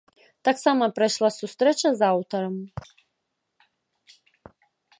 Таксама прайшла сустрэча з аўтарам.